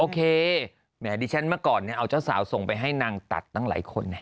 แหมดิฉันเมื่อก่อนเนี่ยเอาเจ้าสาวส่งไปให้นางตัดตั้งหลายคนนะ